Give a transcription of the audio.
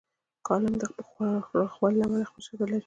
کالم د پراخوالي له امله خپل شکل لري.